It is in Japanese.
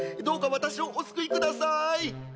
どうか私をお救いくださーい！